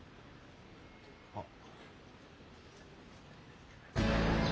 あっ。